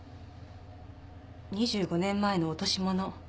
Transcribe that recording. ２５年前の落とし物